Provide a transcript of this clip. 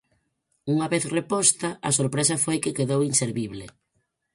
Unha vez reposta, a sorpresa foi que quedou inservible.